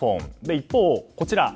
一方、こちら。